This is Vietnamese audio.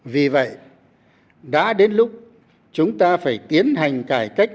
vì vậy đã đến lúc chúng ta phải tiến hành cải cách